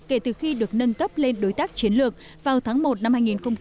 kể từ khi được nâng cấp lên đối tác chiến lược vào tháng một năm hai nghìn một mươi ba